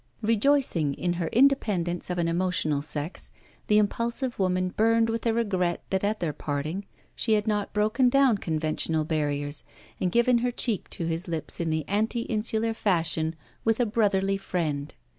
Rejoicing in her independence of an emotional sex, the impulsive woman burned with a regret that at their parting she had not broken down conventional barriers and given her cheek to his lips in the anti insular fashion with a brotherly friend.